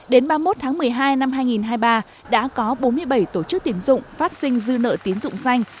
đến ba mươi một tháng một mươi hai năm hai nghìn hai mươi ba đã có bốn mươi bảy tổ chức tiến dụng phát sinh dư nợ tiến dụng xanh